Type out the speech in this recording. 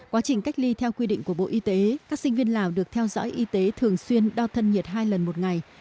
quá trình cách ly theo quy định của bộ y tế các sinh viên lào được theo dõi y tế thường xuyên đo thân nhiệt hai lần một ngày